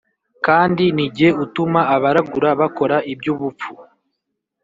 Kandi ni jye utuma abaragura bakora iby ubupfu